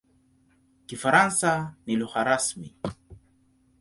Kifaransa ni lugha rasmi.